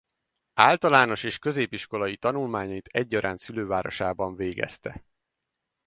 Általános és középiskolai tanulmányait egyaránt szülővárosában végezte.